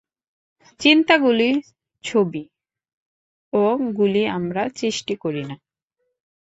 চিন্তাগুলি ছবি, ওগুলি আমরা সৃষ্টি করি না।